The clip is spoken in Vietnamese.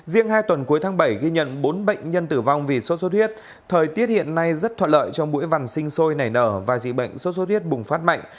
riêng hai tuần cuối tháng bảy ghi nhận bốn bệnh nhân tử vong vì sốt sốt huyết thời tiết hiện nay rất thoạt lợi trong buổi vằn sinh sôi nảy nở và dịch bệnh sốt sốt huyết bùng phát mạnh